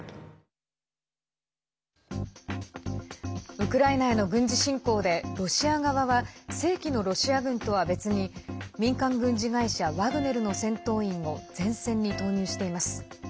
ウクライナへの軍事侵攻でロシア側は正規のロシア軍とは別に民間軍事会社ワグネルの戦闘員を前線に投入しています。